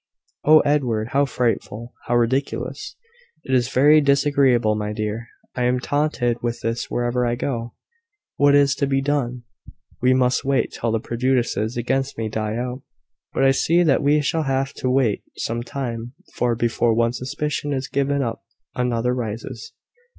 "Oh, Edward! how frightful! how ridiculous!" "It is very disagreeable, my dear. I am taunted with this wherever I go." "What is to be done?" "We must wait till the prejudices against me die out: but I see that we shall have to wait some time; for before one suspicion is given up, another rises."